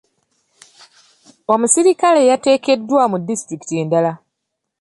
Omuserikale yateekeddwa mu disitulikiti endala.